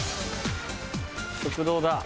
食堂だ。